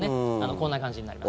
こんな感じになります。